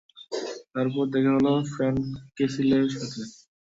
তারপর দেখা হলো ফ্রেড কেসলির সাথে।